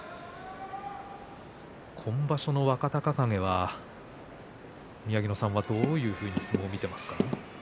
今場所の若隆景は宮城野さんはどういうふうに見てますか？